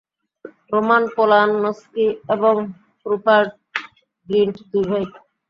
Roman Polanski এবং Rupert Grint দুই ভাই।